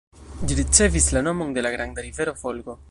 Ĝi ricevis la nomon de la granda rivero Volgo.